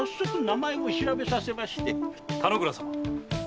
田之倉様